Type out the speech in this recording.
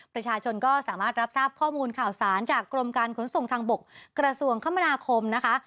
ประชาชนก็สามารถรับทราบข้อมูลข่าวสารจากกรมการขนส่งทางบกกระทรวงคมนาคมนะคะ